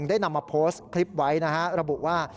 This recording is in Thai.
ได้นำมาโพสต์คลิปไว้นะฮะระบุว่า